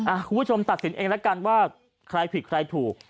คุณผู้ชมตัดสินเองแล้วกันว่าใครผิดใครถูก